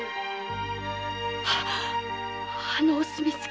あのお墨付き！